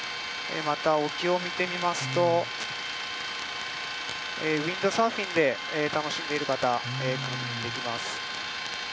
また、沖を見てみますとウィンドサーフィンで楽しんでいる方も確認できます。